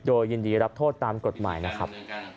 โดยยินดีรับโทษตามกฎหมายนะครับ